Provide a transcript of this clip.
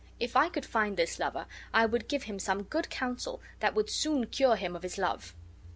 If I could find this lover, I would give him some good counsel that would soon cure him of his love."